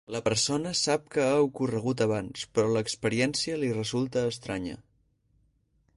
La persona sap que ha ocorregut abans, però l'experiència li resulta estranya.